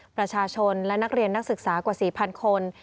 ประชาชนและนักเรียนนักศึกษากว่า๔๐๐คน